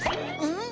うん？